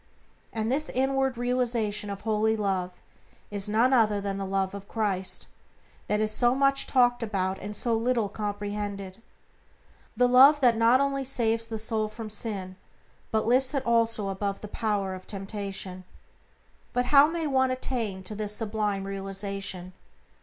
And this inward realization of holy Love is none other than the Love of Christ that is so much talked about and so little comprehended. The Love that not only saves the soul from sin, but lifts it also above the power of temptation. But how may one attain to this sublime realization?